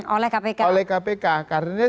oleh kpk oleh kpk karena